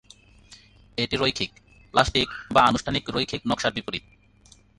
এটি রৈখিক, প্লাস্টিক বা আনুষ্ঠানিক রৈখিক নকশার বিপরীত।